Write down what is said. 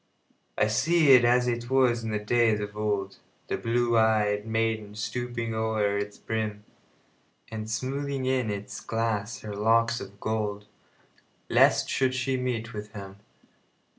I see it as it was in days of old, The blue ey'd maiden stooping o'er its brim, And smoothing in its glass her locks of gold, Lest she should meet with him.